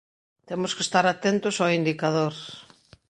Temos que estar atentos ó indicador...